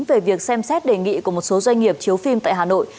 về việc xem xét đề nghị của một số doanh nghiệp chiếu phim tại hà nội